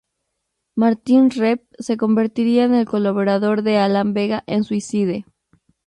Martin Rev se convertiría en el colaborador de Alan Vega en Suicide.